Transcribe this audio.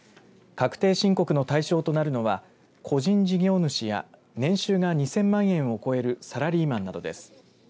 確定申告の対象となるのは個人事業主や年収が２０００万円を超えるサラリーマンなどです。